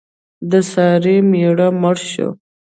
د سارې مېړه مړ شو.